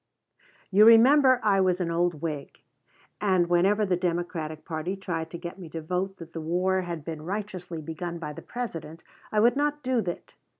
You remember I was an Old Whig; and whenever the Democratic party tried to get me to vote that the war had been righteously begun by the President, I would not do it.